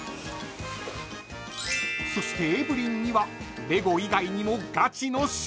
［そしてエブリンにはレゴ以外にもガチの趣味が］